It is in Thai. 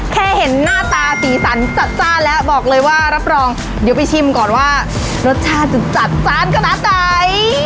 แค่เห็นหน้าตาสีสันจัดจ้านแล้วบอกเลยว่ารับรองเดี๋ยวไปชิมก่อนว่ารสชาติจะจัดจ้านขนาดไหน